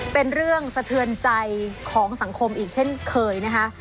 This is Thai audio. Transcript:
เป็นเรื่องสะเทือนใจของสังคมอีกเช่นเคยนะคะ